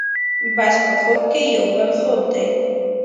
بس په خوب کې یو بل خوب دی.